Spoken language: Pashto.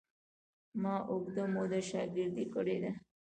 ما اوږده موده شاګردي کړې ده.